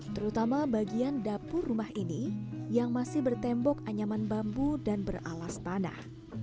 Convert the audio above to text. terutama bagian dapur rumah ini yang masih bertembok anyaman bambu dan beralas tanah